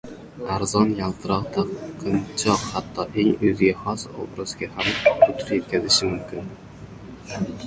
Arzon, yaltiroq taqinchoq hatto eng o‘ziga xos obrazga ham putur yetkazishi mumkin